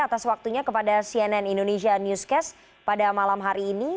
atas waktunya kepada cnn indonesia newscast pada malam hari ini